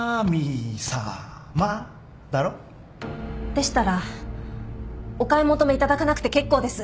でしたらお買い求めいただかなくて結構です。